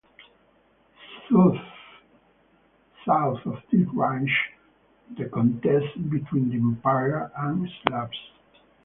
South of this raged the contest between the Empire and Slavs.